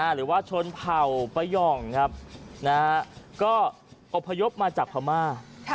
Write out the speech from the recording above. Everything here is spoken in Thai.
หรือว่าชนเผ่าป้าย่องครับก็อบพยพมาจากพม่า